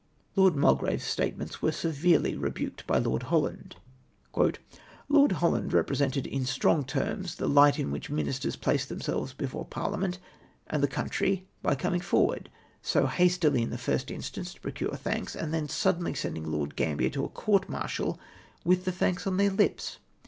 Lord Mulgrave's statements were severely rebidvcd by Lord Holland :—" Lord Holland represented in strong terms the light in ■\vliich ministers placed tliemselves before Parliament and the country by coming forward, so hastily in the first instance to procure thanks, and then suddenly sending Lord Gambler to a court martial v:'d]t the tJtanl'S on their lips.